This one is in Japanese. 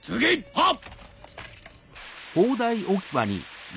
はっ！